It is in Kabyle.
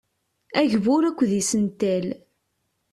Agbur akked isental.